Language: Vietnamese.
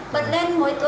bật lên ngồi